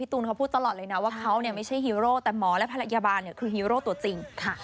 ตูนเขาพูดตลอดเลยนะว่าเขาไม่ใช่ฮีโร่แต่หมอและพยาบาลคือฮีโร่ตัวจริง